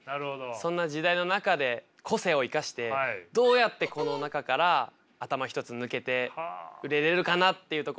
そんな時代の中で個性を生かしてどうやってこの中から頭一つ抜けて売れれるかなっていうところを必死にもがいてるんですけど